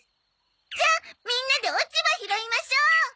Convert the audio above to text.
じゃあみんなで落ち葉拾いましょう。